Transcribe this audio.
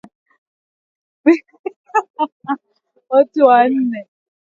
Pishi la kilo ni kwa watu nne